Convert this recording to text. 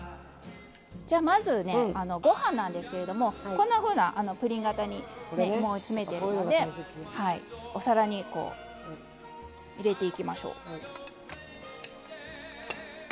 まず、ご飯なんですけれどもこんなふうなプリン型に詰めてお皿に入れていきましょう。